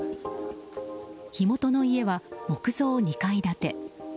火元の家は木造２階建て。